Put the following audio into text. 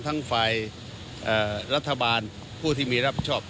ทั้งฝ่ายรัฐบาลผู้ที่มีรับชอบ